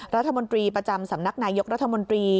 รัฐมนตรีประจำสำนักนายกรัฐมนตรี